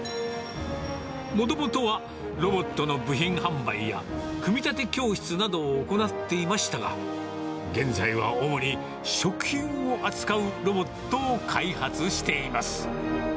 もともとはロボットの部品販売や、組み立て教室などを行っていましたが、現在は主に食品を扱うロボットを開発しています。